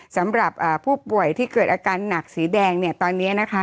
สำหรับผู้ป่วยที่เกิดอาการหนักสีแดงเนี่ยตอนนี้นะคะ